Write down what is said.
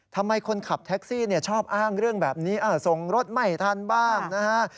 ทำไมคนขับแท็กซี่ชอบอ้างเรื่องแบบนี้ส่งรถไม่ทันบ้างนะฮะ